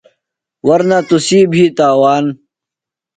ورنہ تُسی بھی تاوان